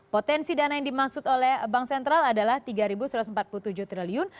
potensi dana yang dimaksud oleh bank sentral adalah rp tiga satu ratus empat puluh tujuh triliun